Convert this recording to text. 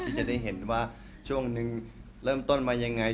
จะได้เห็นว่าช่วงหนึ่งเริ่มต้นมายังไง